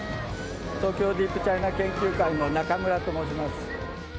東京ディープチャイナ研究会の中村と申します。